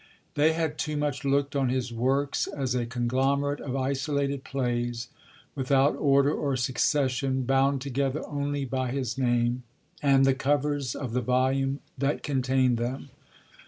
They had too much lookt on his works as a conglomerate of isolated plays, without order or succession, bound together only by his name, and the covers of the volume that containd them.